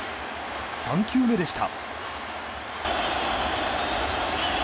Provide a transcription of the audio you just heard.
３球目でした。